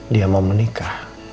dia mau menikah